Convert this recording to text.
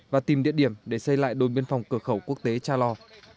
và tìm địa điểm để xây lại đồn biên phòng cửa khẩu quốc tế cha lo